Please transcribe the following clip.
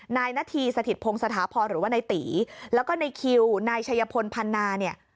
นายนาธีสถิตพงศถาพรหรือว่านายตีแล้วก็ในคิวนายชัยพลพันนาเนี่ย